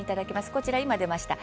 こちら今出ました。